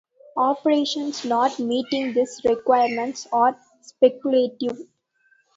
Operations not meeting these requirements are speculative.